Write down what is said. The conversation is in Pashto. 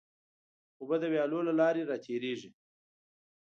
اوبه د ویالو له لارې راتېرېږي.